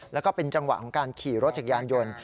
แล้วก็เป็นจังหวะของการขี่รถจักรยานยนต์